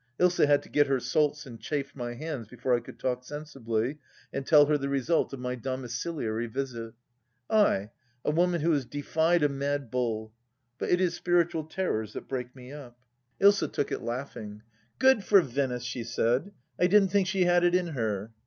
Ilsa had to get her salts and chafe my hands before I could talk sensibly and tell her the result of my domiciliary visit. I — 2i woman who has defied a mad bull ! But it is spiritual terrors that break me up. ... 58 THE LAST DITCH Usa took it laughing. " Good for Venice !" she said. " I didn't think she had it in her."